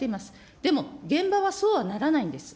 でも、現場はそうはならないんです。